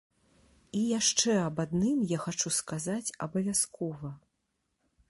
І яшчэ аб адным я хачу сказаць абавязкова.